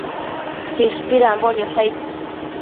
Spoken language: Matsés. Chishpida niosh aid